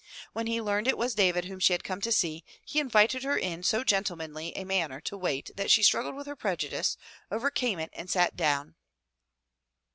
When he learned it was David whom she had come to see, he invited her in so gentlemanly a manner to wait that she struggled with her prejudice, overcame it, and sat down.